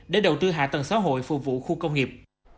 để đầu tư hạ tầng xã hội phục vụ khu công nghiệp